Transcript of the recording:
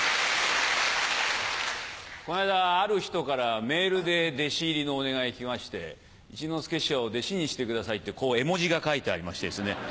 この間ある人からメールで弟子入りのお願いきまして「一之輔師匠弟子にしてください」ってこう絵文字が書いてありましてですね。